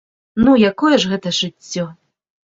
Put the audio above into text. Ну, якое ж гэта жыццё!